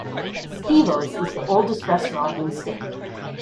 Schilo’s is the oldest restaurant in the state.